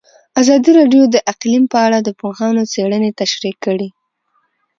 ازادي راډیو د اقلیم په اړه د پوهانو څېړنې تشریح کړې.